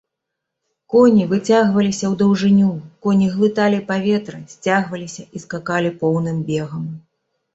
Коні выцягваліся ў даўжыню, коні глыталі паветра, сцягваліся і скакалі поўным бегам.